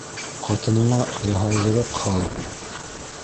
Ҡатыныңа яһалдырыҡ һал